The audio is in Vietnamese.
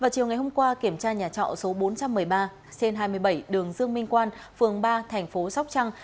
chiều hôm qua kiểm tra nhà trọ số bốn trăm một mươi ba xên hai mươi bảy đường dương minh quan phường ba tp sóc trăng